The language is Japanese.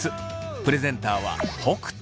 プレゼンターは北斗。